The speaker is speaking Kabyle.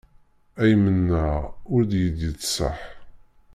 Ay mennaɣ ur d iyi-d-yettṣaḥ.